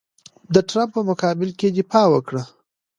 د ټرمپ په مقابل کې یې دفاع وکړه.